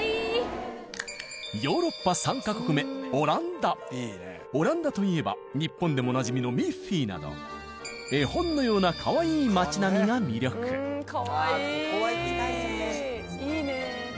ヨーロッパ３か国目オランダオランダといえば日本でもおなじみのミッフィーなど絵本のようなかわいい街並みが魅力かわいいいいね。